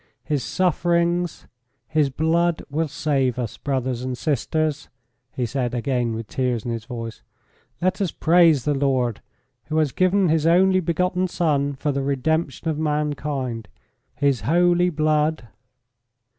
His sufferings, His blood, will save us. Brothers and sisters," he said, again with tears in his voice, "let us praise the Lord, who has given His only begotten son for the redemption of mankind. His holy blood